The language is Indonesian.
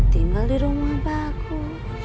tinggal di rumah bagus